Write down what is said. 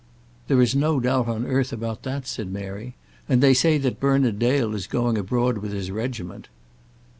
"There is no doubt on earth about that," said Mary. "And they say that Bernard Dale is going abroad with his regiment."